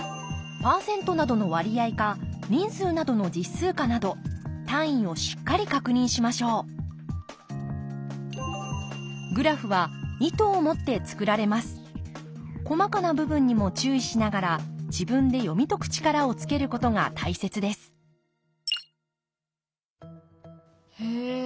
％などの割合か人数などの実数かなど単位をしっかり確認しましょう細かな部分にも注意しながら自分で読み解く力をつけることが大切ですへえ。